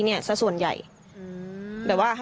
ไม่ตั้งใจครับ